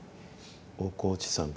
大河内さん